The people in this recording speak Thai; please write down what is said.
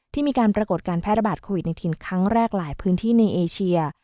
ที่มีการปรากฏการแพร่ระบาดโควิดในถิ่นครั้งแรกหลายพื้นที่ในเอเชีย